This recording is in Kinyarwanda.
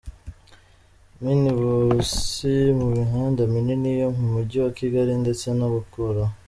mini busi mu mihanda minini yo mu mugi wa Kigali ndetse no gukuraho